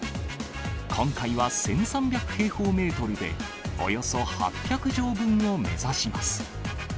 今回は１３００平方メートルで、およそ８００畳分を目指します。